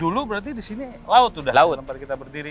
dulu berarti disini laut sudah tempat kita berdiri